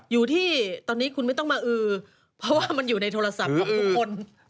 อยู่ที่ตอนนี้คุณไม่ต้องมาอือเพราะว่ามันอยู่ในโทรศัพท์ของทุกคน